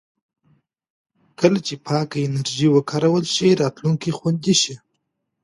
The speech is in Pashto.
کله چې پاکه انرژي وکارول شي، راتلونکی خوندي شي.